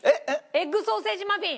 エッグソーセージマフィン。